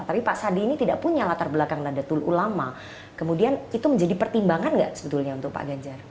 tapi pak sadi ini tidak punya latar belakang nadatul ulama kemudian itu menjadi pertimbangan nggak sebetulnya untuk pak ganjar